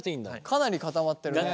かなり固まってるね。